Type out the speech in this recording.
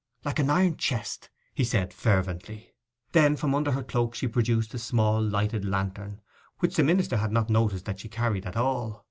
'Like an iron chest!' said he fervently. Then from under her cloak she produced a small lighted lantern, which the minister had not noticed that she carried at all.